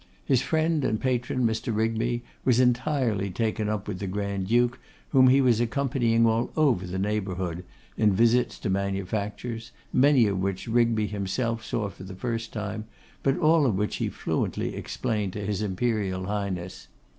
His friend and patron, Mr. Rigby, was entirely taken up with the Grand duke, whom he was accompanying all over the neighbourhood, in visits to manufactures, many of which Rigby himself saw for the first time, but all of which he fluently explained to his Imperial Highness.